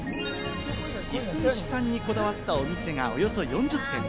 いすみ市産にこだわったお店がおよそ４０点。